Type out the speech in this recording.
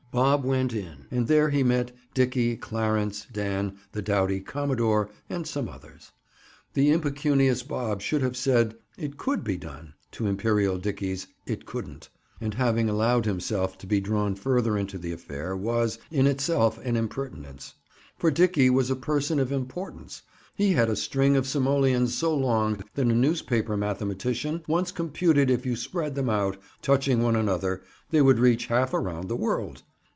Bob went in. And there he met Dickie, Clarence, Dan the doughty "commodore" and some others. That Impecunious Bob should have said "It could be done" to Imperial Dickie's "It couldn't" and have allowed himself to be drawn further into the affair was, in itself, an impertinence. For Dickie was a person of importance. He had a string of simoleons so long that a newspaper mathematician once computed if you spread them out, touching one another, they would reach half around the world.